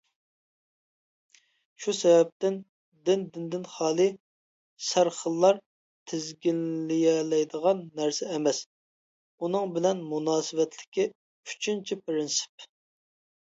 شۇ سەۋەبتىن دىن دىندىن خالىي سەرخىللار تىزگىنلىيەلەيدىغان نەرسە ئەمەس، ئۇنىڭ بىلەن مۇناسىۋەتلىكى ئۈچىنچى پىرىنسىپ.